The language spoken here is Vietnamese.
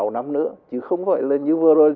sáu năm nữa chứ không gọi là như vừa rồi